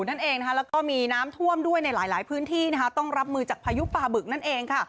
แล้วก็มีน้ำท่วมด้วยในหลายพื้นที่ต้องรับมือจากพายุป่าบึกนั่นเอง